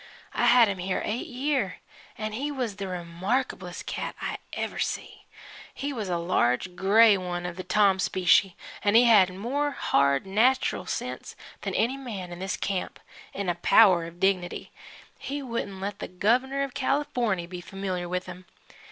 I had him here eight year and he was the remarkablest cat I ever see. He was a large grey one of the Tom specie, an' he had more hard, natchral sense than any man in this camp 'n' a power of dignity he wouldn't let the Gov'ner of Californy be familiar with him.